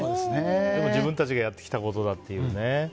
でも自分たちがやってきたことだというね。